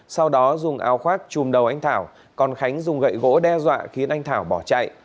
sau đó dùng áo khoác chùm đầu anh thảo còn khánh dùng gậy gỗ đe dọa khiến anh thảo bỏ chạy